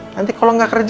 nanti kalau gak kerja